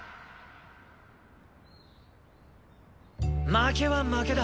負けは負けだ。